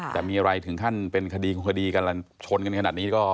แต่มีอะไรถึงขั้นเป็นคดีของคดีกันชนกันขนาดนี้ก็